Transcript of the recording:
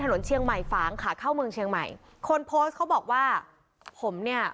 ถนนเชียงใหม่ฝางขาเข้าเมืองเชียงใหม่คนโพสต์เขาบอกว่าผมเนี่ย